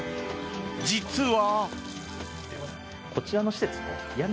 実は。